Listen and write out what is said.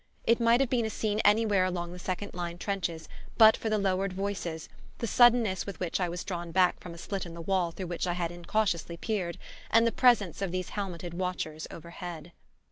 It might have been a scene anywhere along the second line trenches but for the lowered voices, the suddenness with which I was drawn back from a slit in the wall through which I had incautiously peered, and the presence of these helmeted watchers overhead.